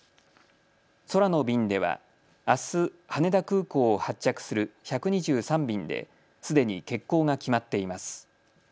空の便ではあす、羽田空港を発着する１２３便ですでに欠航が決まっています。